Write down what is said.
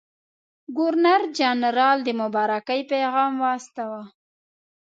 ګورنرجنرال د مبارکۍ پیغام واستاوه.